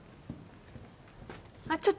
あっ